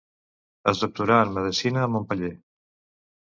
Es doctorà en medicina a Montpeller.